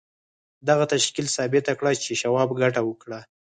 دغه تشکیل ثابته کړه چې شواب ګټه وکړه